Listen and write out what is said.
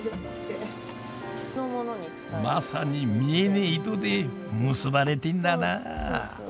まさに見えねえ糸で結ばれてんだなあ。